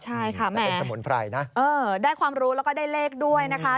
ใช่ค่ะแหมได้ความรู้แล้วก็ได้เลขด้วยนะคะ